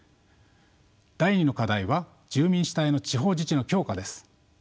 第２の課題は住民主体の地方自治の強化です。